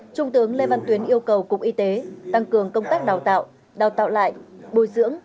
trung tướng lê văn tuyến yêu cầu cục y tế tăng cường công tác đào tạo đào tạo lại bồi dưỡng